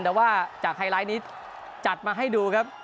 แต่ว่าจากไฮไลท์นี้จัดมาให้ดูครับ